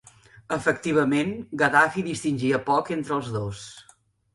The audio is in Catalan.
Efectivament, Gaddafi distingia poc entre els dos.